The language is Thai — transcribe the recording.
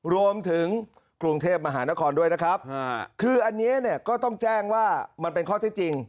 รวมถึงกรุงเทพมหานครด้วยนะครับคืออันนี้เนี่ยก็ต้องแจ้งว่ามันเป็นข้อที่จริง